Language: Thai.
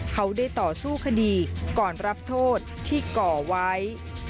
เขาได้ต่อสู้คดีก่อนรับโทษที่ก่อไว้